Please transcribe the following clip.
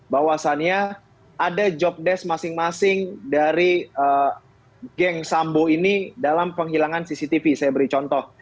bahwasannya ada jobdesk masing masing dari geng sambo ini dalam penghilangan cctv saya beri contoh